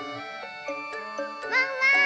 ワンワーン！